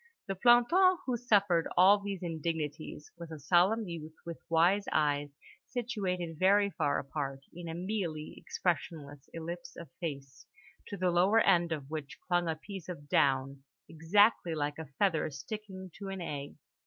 The planton who suffered all these indignities was a solemn youth with wise eyes situated very far apart in a mealy expressionless ellipse of face, to the lower end of which clung a piece of down, exactly like a feather sticking to an egg.